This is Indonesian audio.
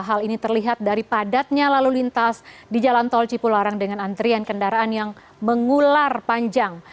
hal ini terlihat dari padatnya lalu lintas di jalan tol cipularang dengan antrian kendaraan yang mengular panjang